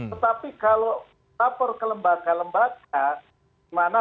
tetapi kalau melapor ke lembaga lembaga